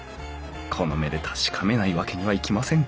この目で確かめないわけにはいきません